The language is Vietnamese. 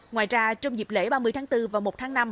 ngoài ra trong dịp lễ ba mươi tháng bốn và một tháng năm